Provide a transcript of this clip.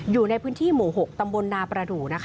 อยู่ในพื้นที่หมู่๖ตำบลนาประดูก